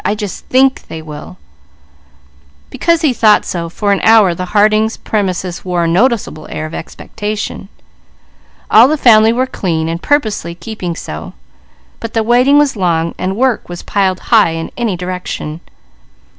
"I just think they will." Because he thought so, for an hour the Harding premises wore a noticeable air of expectation. All the family were clean and purposely keeping so; but the waiting was long, while work was piled high in any direction.